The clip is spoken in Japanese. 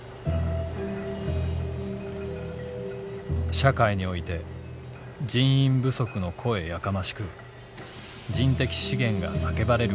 「社会に於いて人員不足の声やかましく人的資源が叫ばれる